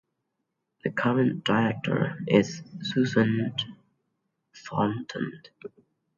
The current Director is Susan Thornton.